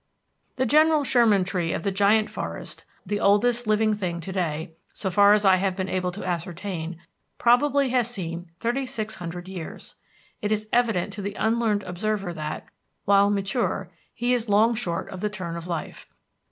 The General Sherman Tree of the Giant Forest, the oldest living thing to day, so far as I have been able to ascertain, probably has seen thirty six hundred years. It is evident to the unlearned observer that, while mature, he is long short of the turn of life.